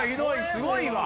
すごいわ。